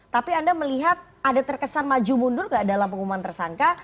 tapi anda melihat ada terkesan maju mundur gak dalam pengumuman tersangka